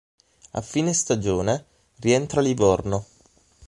A fine stagione rientra a Livorno.